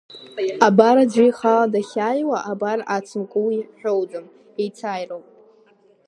Абар аӡәы ихала дахьааиуа абар ацымкәа уи ҳәоуӡам, еицааироуп…